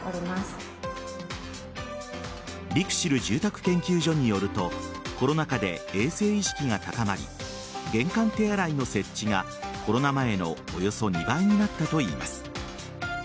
ＬＩＸＩＬ住宅研究所によるとコロナ禍で衛生意識が高まり玄関手洗いの設置がコロナ前のおよそ２倍になったといいます。